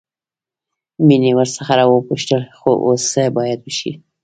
مينې ورڅخه وپوښتل خو اوس څه بايد وشي.